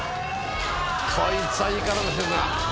こいつはいい体してるな。